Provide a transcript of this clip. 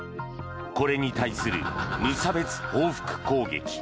これに対する無差別報復攻撃。